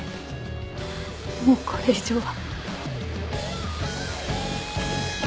もうこれ以上は。